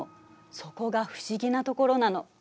そこが不思議なところなの。